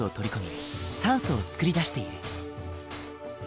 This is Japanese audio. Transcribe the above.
酸素を作り出している。